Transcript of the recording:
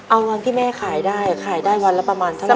เอาวันที่แม่ขายได้ขายได้วันละประมาณเท่าไห